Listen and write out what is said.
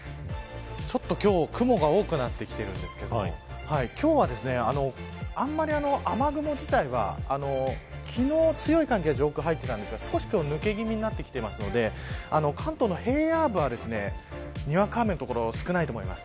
ちょっと今日雲が多くなってきているんですが今日は、雨雲自体は昨日、強い寒気が上空入ってきていたんですが抜け気味になっていますので関東の平野部は、にわか雨の所少ないと思います。